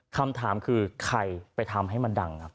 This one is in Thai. คำถามคือใครไปทำให้มันดังครับ